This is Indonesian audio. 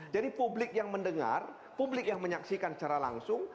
jadi publik yang mendengar publik yang menyaksikan secara langsung